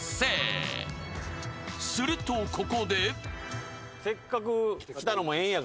［するとここで］